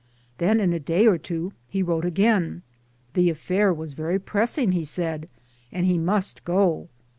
Then in a 'day or two he wrote again. The affair was very pressing, he said, and he must go.